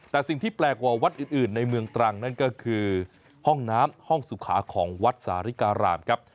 แต่สิ่งที่แปลกกว่าวัดอื่นในเมืองตรังนั่นก็คือห้องน้ำห้องสุขาของวัดสาริการามครับ